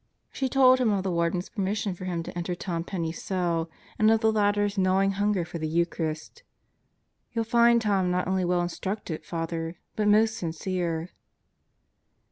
She told him of the Warden's permission for him to enter Tom Penney's cell, and of the latter's gnawing hunger for the Eucharist. "You'll find Tom not only well instructed, Father, but most sincere."